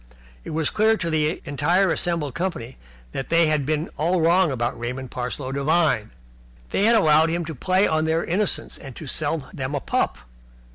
It was clear to the entire assembled company that they had been all wrong about Raymond Parsloe Devine. They had allowed him to play on their innocence and sell them a pup.